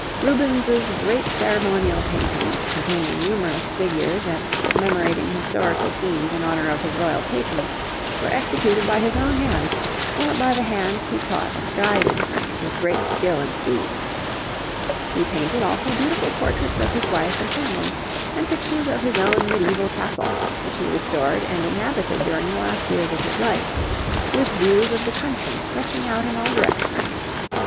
Rubens's great ceremonial paintings, containing numerous figures and commemorating historical scenes in honour of his Royal patrons, were executed by his own hands, or by the hands he taught and guided, with great skill and speed. He painted also beautiful portraits of his wife and family, and pictures of his own medieval castle, which he restored and inhabited during the last years of his life, with views of the country stretching out in all directions.